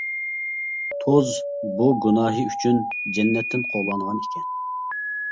توز بۇ گۇناھى ئۈچۈن جەننەتتىن قوغلانغان ئىكەن.